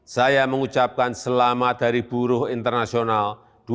saya mengucapkan selamat dari buruh internasional dua ribu dua puluh